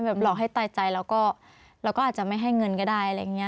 หลอกให้ตายใจแล้วก็เราก็อาจจะไม่ให้เงินก็ได้อะไรอย่างนี้